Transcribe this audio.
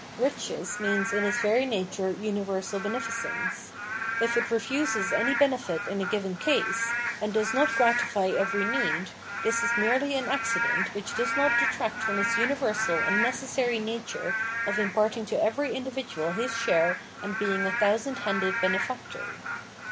Riches means in its very nature universal beneficence : if it refuses any benefit in a given case, and does not gratify every need, this is merely an accident which does not detract from its ■universal and necessary nature of imparting to every individual his share and being a thousand handed benefactor.